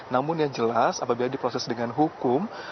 namun yang jelas apabila diproses dengan hukum